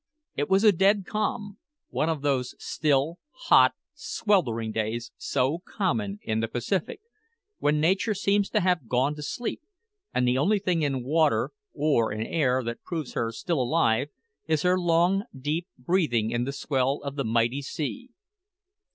It was a dead calm one of those still, hot, sweltering days so common in the Pacific, when nature seems to have gone to sleep, and the only thing in water or in air that proves her still alive is her long, deep breathing in the swell of the mighty sea.